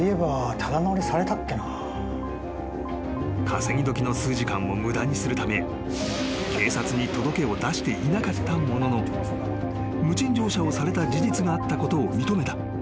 ［稼ぎ時の数時間を無駄にするため警察に届けを出していなかったものの無賃乗車をされた事実があったことを認めた］